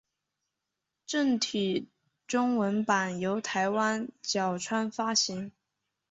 正体中文版由台湾角川发行。